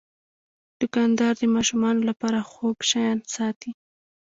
دوکاندار د ماشومانو لپاره خوږ شیان ساتي.